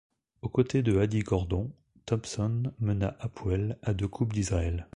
Aux côtés de Adi Gordon, Thompson mena Hapoel à deux coupes d'Israël.